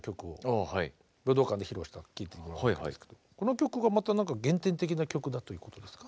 武道館で披露したの聴いてもらうんですけどこの曲がまた何か原点的な曲だということですか？